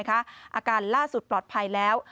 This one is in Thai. อาการล่าสุดปลอดภัยแล้ว